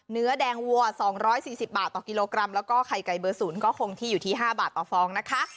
เนื้อแดงวัว๒๔๐บาทต่อกิโลกรัมแล้วก็ไข่ไก่เบอร์ศูนย์ก็คงที่อยู่ที่๕บาทต่อฟองนะคะ